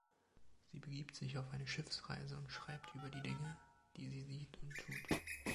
Sie begibt sich auf eine Schiffsreise und schreibt über die Dinge, die sie sieht und tut.